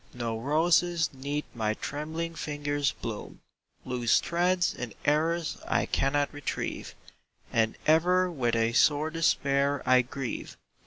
No roses 'neath my trembling fingers bloom, Loose threads and errors I cannot retrieve, And ever with a sore despair I grieve.